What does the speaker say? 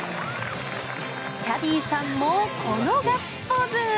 キャディーさんもこのガッツポーズ。